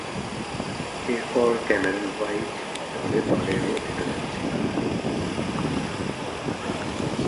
এরপর Cameron White দলের অধিনায়ক ছিলেন।